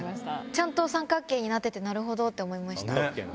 ちゃんと三角形になっててなるほど！と思いました。